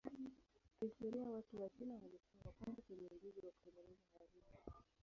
Kihistoria watu wa China walikuwa wa kwanza wenye ujuzi wa kutengeneza hariri.